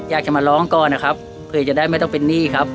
อยากจะมาร้องก่อนนะครับเผื่อจะได้ไม่ต้องเป็นหนี้ครับ